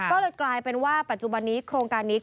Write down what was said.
ก็เลยกลายเป็นว่าปัจจุบันนี้โครงการนี้